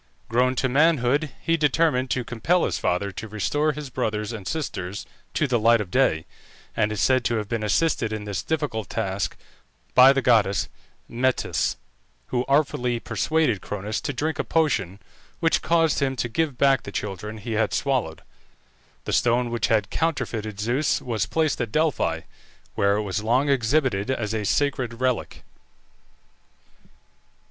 Grown to manhood, he determined to compel his father to restore his brothers and sisters to the light of day, and is said to have been assisted in this difficult task by the goddess Metis, who artfully persuaded Cronus to drink a potion, which caused him to give back the children he had swallowed. The stone which had counterfeited Zeus was placed at Delphi, where it was long exhibited as a sacred relic.